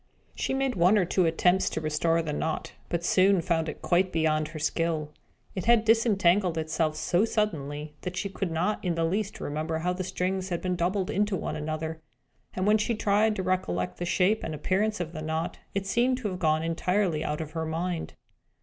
She made one or two attempts to restore the knot, but soon found it quite beyond her skill. It had disentangled itself so suddenly that she could not in the least remember how the strings had been doubled into one another; and when she tried to recollect the shape and appearance of the knot, it seemed to have gone entirely out of her mind.